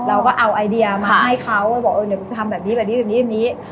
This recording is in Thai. เราก็เอาไอเดียมาให้เขาบอกเออเดี๋ยวกูจะทำแบบนี้แบบนี้แบบนี้